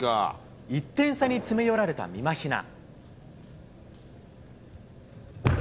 １点差に詰め寄られたみまひな。